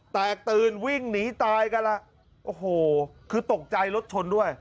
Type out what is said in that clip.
แตกตื่นวิ่งหนีตายกันล่ะโอ้โหคือตกใจรถชนด้วย